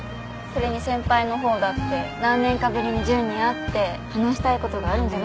それに先輩のほうだって何年かぶりに純に会って話したいことがあるんじゃないの。